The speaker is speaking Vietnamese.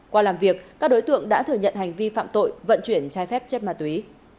qua làm việc các đối tượng đã thừa nhận hành vi phạm tội vận chuyển trái phép chất ma túy